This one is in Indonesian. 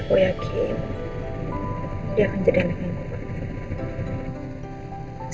aku yakin dia akan jadi anak yang baik